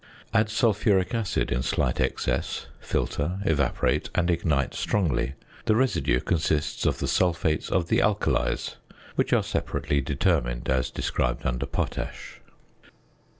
Add sulphuric acid in slight excess, filter, evaporate, and ignite strongly. The residue consists of the sulphates of the alkalies (which are separately determined, as described under Potash).